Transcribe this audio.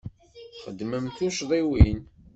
Txedmem tuccḍiwin.